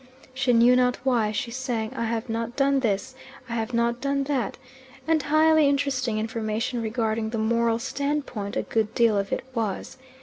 She knew not why; she sang "I have not done this, I have not done that" and highly interesting information regarding the moral standpoint a good deal of it was.